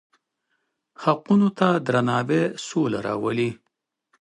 حقونو ته درناوی سوله راولي.